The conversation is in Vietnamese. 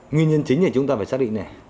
nguyên nhân chính là chúng ta phải xác định này